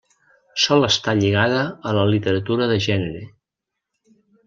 Sol estar lligada a la literatura de gènere.